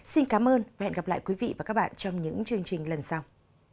xin cảm ơn và hẹn gặp lại quý vị và các bạn trong những chương trình lần sau